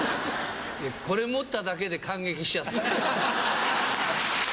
これ持っただけで感激しちゃって。